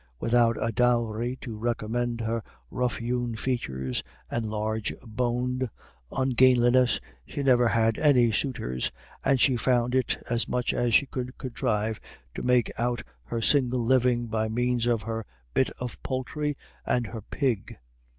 Without a dowry to recommend her rough hewn features and large boned ungainliness, she never had any suitors, and she found it as much as she could contrive to make out her single living by means of her "bit of poultry" and her pig.